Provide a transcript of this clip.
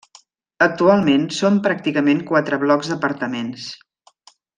Actualment són pràcticament quatre blocs d'apartaments.